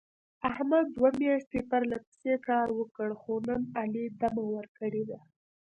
احمد دوه میاشتې پرله پسې کار وکړ. خو نن علي دمه ور کړې ده.